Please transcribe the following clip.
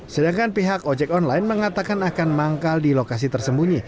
sedangkan pihak ojek online mengatakan akan manggal di lokasi tersembunyi